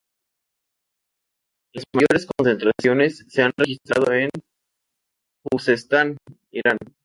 Las mayores concentraciones se han registrado en Juzestán, Irán.